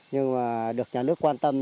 nhưng mà được nhà nước quan tâm